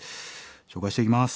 紹介していきます。